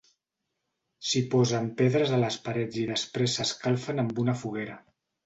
S’hi posen pedres a les parets i després s’escalfen amb una foguera.